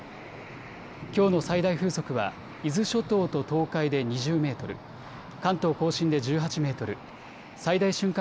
きょうの最大風速は伊豆諸島と東海で２０メートル、関東甲信で１８メートル、最大瞬間